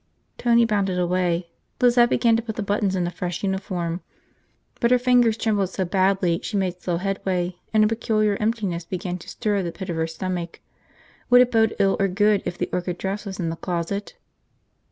Tony bounded away. Lizette began to put the buttons in a fresh uniform. But her fingers trembled so badly she made slow headway, and a peculiar emptiness began to stir at the pit of her stomach. Would it bode ill or good if the orchid dress was in the closet?